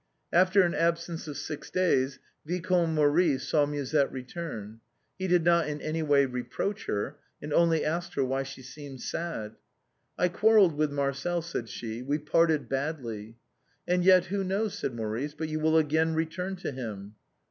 After an absence of six days Vicomte Maurice saw Musette return. He did not in any way reproach her, and only asked her why she seemed sad. " I quarrelled with Marcel/' said she ;" we parted badly." " And yet who knows," said Maurice, " but you will again return to him."